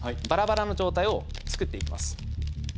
バラバラの状態を作っていきます。